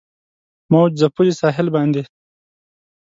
موج ځپلي ساحل باندې